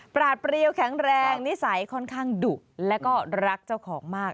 ราดเปรียวแข็งแรงนิสัยค่อนข้างดุแล้วก็รักเจ้าของมาก